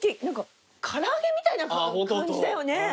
何か唐揚げみたいな感じだよね。